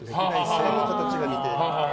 鼻の形が似てる。